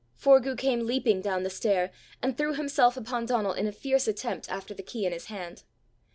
Forgue came leaping down the stair, and threw himself upon Donal in a fierce attempt after the key in his hand.